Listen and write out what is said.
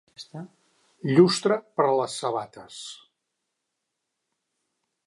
Llustre per a les sabates.